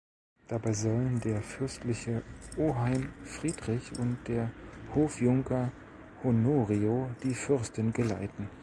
Dabei sollen der fürstliche Oheim Friedrich und der Hofjunker Honorio die Fürstin geleiten.